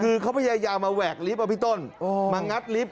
คือเขาพยายามมาแหวกลิฟต์อ่ะพี่ต้นมางัดลิฟต